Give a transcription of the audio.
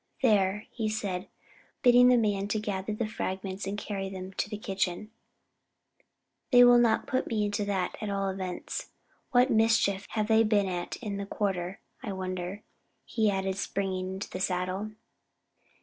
"There!" he said, bidding the man gather up the fragments and carry them to the kitchen, "they'll not put me into that, at all events. What mischief have they been at in the quarter, I wonder?" he added, springing into the saddle.